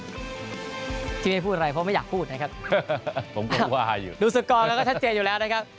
ชิคกี้พายพูดอะไรเพราะไม่อยากพูดนะครับ